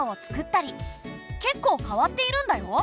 けっこう変わっているんだよ。